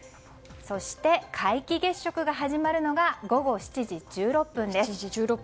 そして、皆既月食が始まるのが午後７時１６分です。